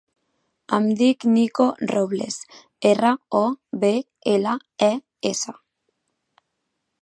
Em dic Nico Robles: erra, o, be, ela, e, essa.